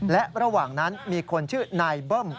และระหว่างนั้นมีคนชื่อนายเบิ้ม